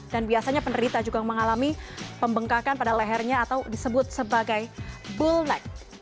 dan biasanya penerita juga mengalami pembengkakan pada lehernya atau disebut sebagai bull neck